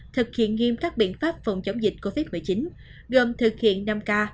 thực hiện nghiêm các biện pháp phòng chống dịch covid một mươi chín gồm thực hiện năm k